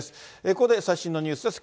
ここで最新のニュースです。